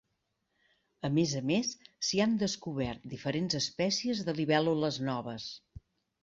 A més a més, s'hi han descobert diferents espècies de libèl·lules noves.